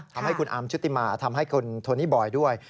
ทำให้คุณอาร์มชุติมาทำให้คุณโทนี่บอยด้วย